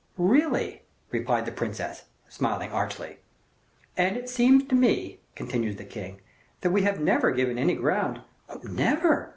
"Really," replied the princess, smiling archly. "And it really seems to me," continued the king, "that we have never given any ground " "Never!